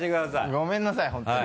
ごめんなさい本当に。